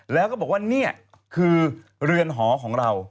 แล้วก็บอกว่านี่คือเรือนหอของเรา